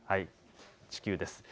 地球です。